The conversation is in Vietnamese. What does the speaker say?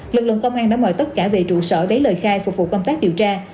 lực lượng công an đã mời tất cả về trụ sở lấy lời khai phục vụ công tác điều tra